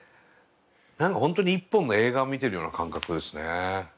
何かほんとに一本の映画を見てるような感覚ですね。